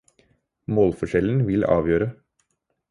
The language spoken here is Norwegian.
Målforskjellen vil avgjøre.